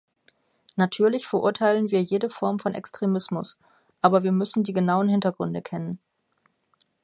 Natürlich verurteilen wir jede Form von Extremismus, aber wir müssen die genauen Hintergründe kennen.